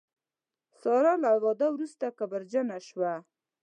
ساره له واده وروسته کبرجنه شوه.